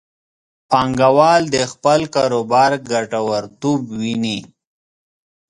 پانګوال د خپل کاروبار ګټورتوب ویني.